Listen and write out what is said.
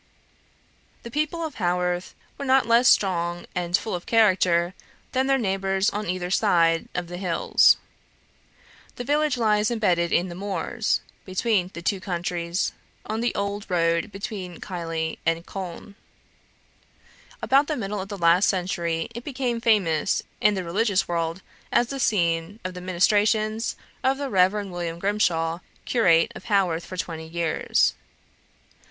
The people of Haworth were not less strong and full of character than their neighbours on either side of the hills. The village lies embedded in the moors, between the two counties, on the old road between Keighley and Colne. About the middle of the last century, it became famous in the religious world as the scene of the ministrations of the Rev. William Grimshaw, curate of Haworth for twenty years.